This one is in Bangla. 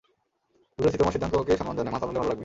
বুঝেছি, তোমার সিদ্ধান্তকে সন্মান জানাই, মাতাল হলে ভাল লাগবে।